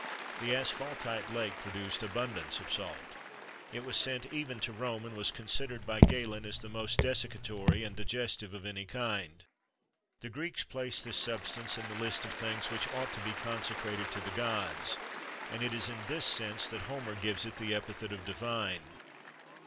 The Asphaltite lake produced abundance of salt.[XXIII 3] It was sent even to Rome, and was considered by Galen as the most desiccatory and digestive of any kind.[XXIII 4] The Greeks placed this substance in the list of things which ought to be consecrated to the gods; and it is in this sense that Homer gives it the epithet of divine.